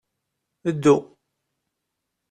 Ddu!